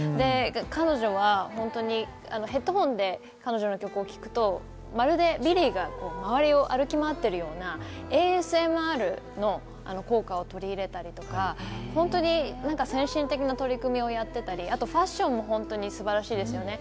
彼女は本当に、ヘッドフォンで彼女の曲を聴くとまるでビリーが周りを歩き回っているような、ＡＳＭＲの効果を取り入れたりとか、本当に最新的な取り組みをやっていたり、ファッショも素晴らしいですよね。